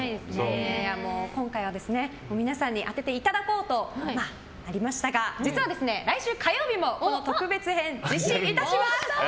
今回は皆さんに当てていただこうと問題ありましたが実は来週火曜日もこの特別編実施いたします！